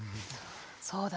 そうだね。